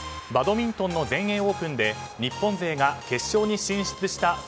バドミントンの全英オープンで日本勢が決勝に進出した